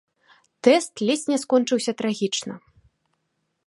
Тэст ледзь не скончыўся трагічна.